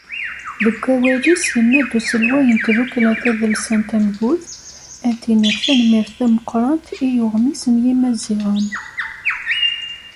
Deg wawal-is, yenna-d uselway n tdukkla tadelsant Amgud: “Ad d-iniɣ tanemmirt tameqqrant i uɣmis n Yimaziɣen."